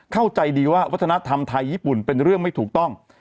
เข้าใจดีว่าวัฒนธรรมไทยญี่ปุ่นเป็นเรื่องไม่ถูกต้อง